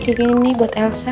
cukup gini buat elsa